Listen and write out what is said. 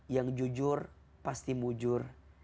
yang jujur pasti mujur